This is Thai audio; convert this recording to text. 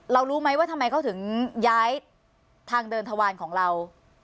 รู้ไหมว่าทำไมเขาถึงย้ายทางเดินทวารของเรา